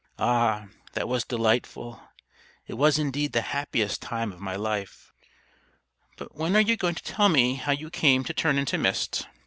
Ah, that was delightful! It was indeed the happiest time of my life." "But when are you going to tell me how you came to turn into mist?"